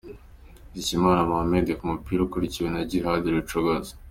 Mushimiyimana Mohammed ku mupira akurikiwe na Djihad Rucogoza